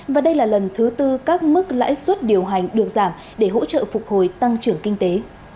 và đây là lần thứ tư các mức lãi suất điều hành được giảm để hỗ trợ phục hồi tăng trưởng kinh tế